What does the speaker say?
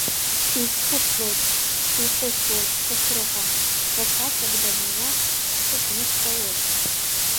Сизхәыцлоит, сизхәыцлоит Сасрыҟәа, фырхаҵак данилак схы кны стәалоит.